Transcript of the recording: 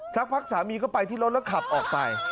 สักพักสามีก็ไปที่รถแล้วขับออกไป